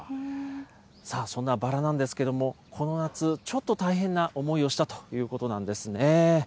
さあ、そんなバラなんですけれども、この夏、ちょっと大変な思いをしたということなんですね。